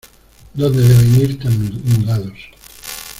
Dónde deben ir tan mudados.